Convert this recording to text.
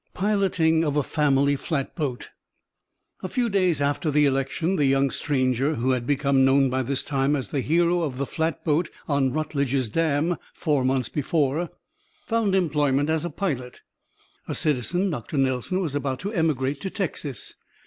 '" PILOTING A FAMILY FLATBOAT A few days after the election the young stranger, who had become known by this time as the hero of the flatboat on Rutledge's dam four months before, found employment as a pilot. A citizen, Dr. Nelson, was about to emigrate to Texas.